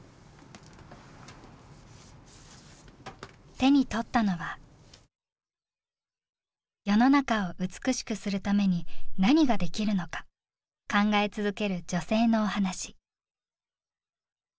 手に取ったのは世の中を美しくするために何ができるのか考え続ける女性のお話。